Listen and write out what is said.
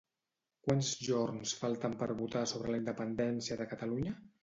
Quants jorns falten per votar sobre la independència de Catalunya?